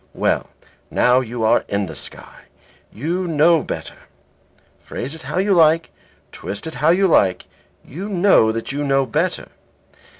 Well, now you are in the sky, you know better. Phrase it how you like, twist it how you like, you know that you know better.